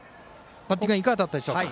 バッティングいかがだったでしょうか。